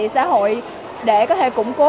xã hội để có thể củng cố